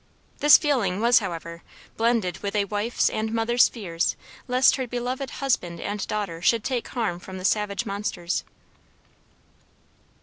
This feeling was, however, blended with a wife's and mother's fears lest her beloved husband and daughter should take harm from the savage monsters.